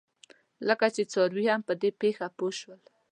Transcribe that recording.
لکه چې څاروي هم په دې پېښه پوه شول.